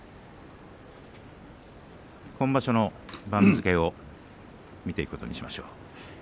今場所の番付を見ていくことにしましょう。